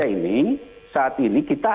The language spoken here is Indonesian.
nah masalahnya di indonesia ini saat ini kita cek